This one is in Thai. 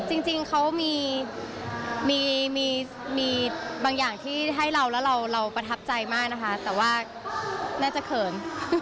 จริงเขามีบางอย่างที่ให้เราแล้วเราประทับใจมากนะคะแต่ว่าน่าจะเขิน